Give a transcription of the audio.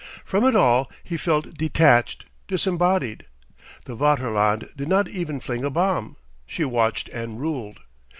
From it all he felt detached, disembodied. The Vaterland did not even fling a bomb; she watched and ruled.